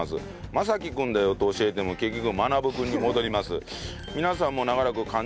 「雅紀君だよ」と教えても結局マナブ君に戻ります。